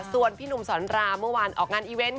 ส่วนพี่หนุ่มสอนรามเมื่อวานออกงานอีเวนต์